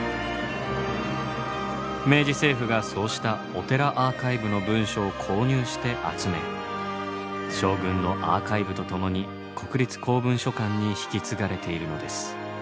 明治政府がそうしたお寺アーカイブの文書を購入して集め将軍のアーカイブとともに国立公文書館に引き継がれているのです。